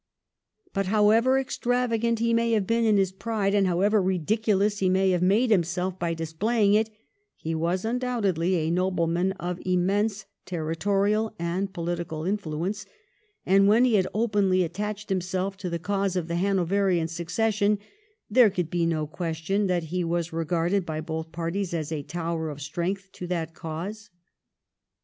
But however extravagant he may have been in his pride, and however ridiculous he may have made himself by displaying it, he was undoubtedly a nobleman of immense territorial and political influence, and when he had openly attached himself to the cause of the Hanoverian succession there could be no question that he was regarded by both parties as a tower of strength to that cause.